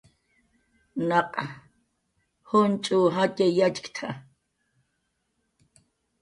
"Naq junch' jatxay yatxk""t""a"